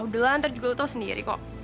udah lah ntar juga lo tau sendiri kok